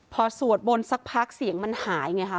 พอสวดมนต์สักพักเสียงมันหายไงคะ